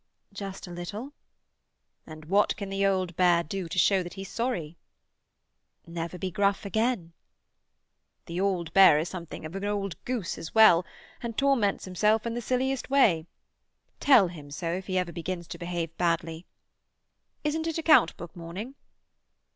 "Just a little." "And what can the old bear do to show that he's sorry?" "Never be gruff again." "The old bear is sometimes an old goose as well, and torments himself in the silliest way. Tell him so, if ever he begins to behave badly. Isn't it account book morning?"